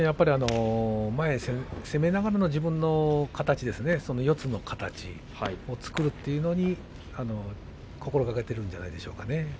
前に攻めながらの自分の形ですね、四つの形それを作るというのに心がけているんではないでしょうか。